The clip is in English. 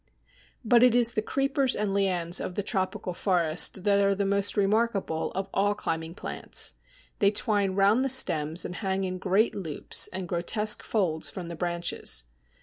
But it is the creepers and lianes of the tropical forests that are the most remarkable of all climbing plants. They twine round the stems and hang in great loops and grotesque folds from the branches.